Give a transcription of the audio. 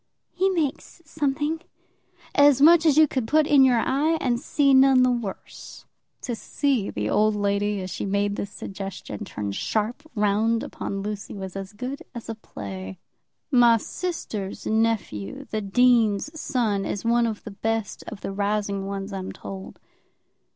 "He makes something." "As much as you could put in your eye and see none the worse." To see the old lady, as she made this suggestion, turn sharp round upon Lucy, was as good as a play. "My sister's nephew, the dean's son, is one of the best of the rising ones, I'm told."